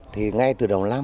thì ngay từ đầu năm